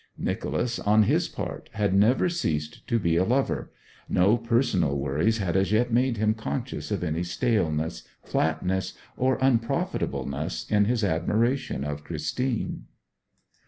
Nicholas, on his part, had never ceased to be a lover; no personal worries had as yet made him conscious of any staleness, flatness, or unprofitableness in his admiration of Christine.